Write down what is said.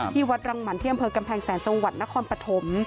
ที่วัดรังหมั่นที่อำเภอกำแพงแสนจังหวัดนครปฐม